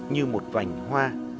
như một vành hoa